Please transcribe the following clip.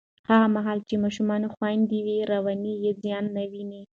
هغه مهال چې ماشومان خوندي وي، رواني زیان نه ویني.